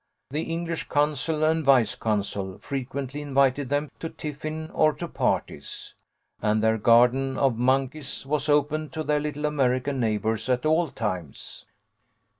The English consul and vice consul frequently invited them to tiffin or to parties, and their garden of monkeys was open to their little American neighbours at all times.